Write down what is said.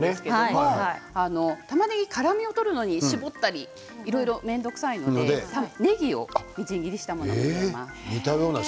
たまねぎは辛みを取るのに絞ったりとか面倒くさいのでねぎをみじん切りにしたものを入れます。